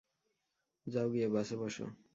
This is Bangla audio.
যাও গিয়ে বাসে বসো।